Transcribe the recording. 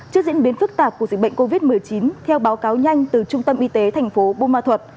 trước diễn biến phức tạp của dịch bệnh covid một mươi chín theo báo cáo nhanh từ trung tâm y tế thành phố buôn ma thuật